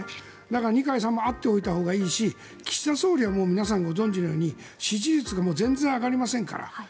だから、二階さんも会っておいたほうがいいし岸田総理は皆さんご存じのように支持率がもう全然上がりませんから。